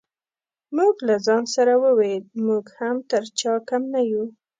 ما له ځان سره وویل موږ هم تر چا کم نه یو.